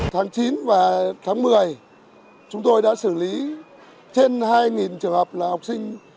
tháng chín và tháng một mươi chúng tôi đã xử lý trên hai trường hợp là học sinh